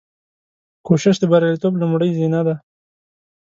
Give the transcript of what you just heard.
کوشش د بریالیتوب لومړۍ زینه ده.